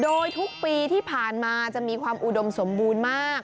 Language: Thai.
โดยทุกปีที่ผ่านมาจะมีความอุดมสมบูรณ์มาก